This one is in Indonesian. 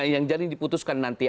yang jadi diputuskan nanti